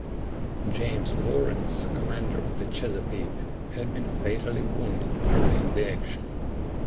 James Lawrence, commander of the Chesapeake, had been fatally wounded early in the action.